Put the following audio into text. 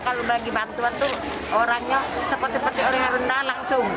kalau bagi bantuan tuh orangnya seperti orang yang rendah langsung